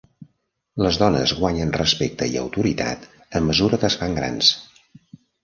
Les dones guanyen respecte i autoritat a mesura que es fan grans.